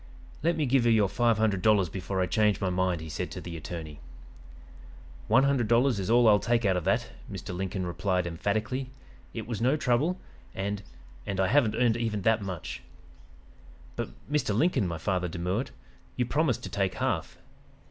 "'Let me give you your five hundred dollars before I change my mind,' he said to the attorney. "'One hundred dollars is all I'll take out of that,' Mr. Lincoln replied emphatically. 'It was no trouble, and and I haven't earned even that much.' "'But Mr. Lincoln,' my father demurred, 'you promised to take half.'